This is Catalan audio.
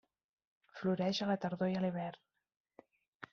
Floreix a la tardor i a l'hivern.